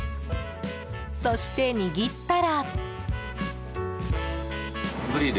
そして、握ったら。